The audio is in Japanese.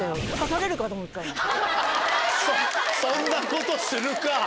そんなことするか。